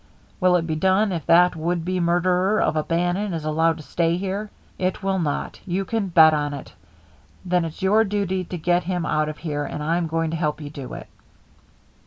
Will it be done if that would be murderer of a Bannon is allowed to stay here? It will not, you can bet on that. Then it's your duty to get him out of here, and I'm going to help you do it."